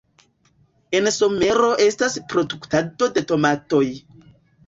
En somero estas produktado de tomatoj.